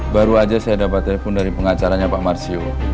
baru saja saya dapat telepon dari pengacaranya pak marsio